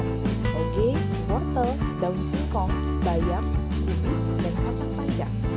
pege wortel daun singkong bayam kubis dan kacang panjang